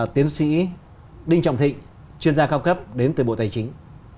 tiến sĩ đinh trọng thịnh chuyên gia cao cấp đến từ bộ tài chính